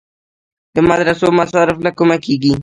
د مدرسو مصارف له کومه کیږي؟